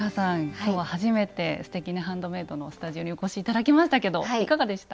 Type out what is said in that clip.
今日は初めて「すてきにハンドメイド」のスタジオにお越し頂きましたけどいかがでした？